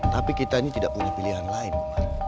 tapi kita ini tidak punya pilihan lain